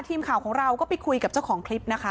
ทีมข่าวของเราก็ไปคุยกับเจ้าของคลิปนะคะ